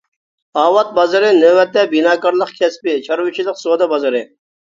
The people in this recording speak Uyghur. ئاۋات بازىرى نۆۋەتتە بىناكارلىق كەسپى، چارۋىچىلىق سودا بازىرى.